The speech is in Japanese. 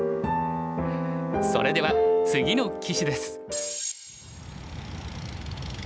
それでは次の棋士です。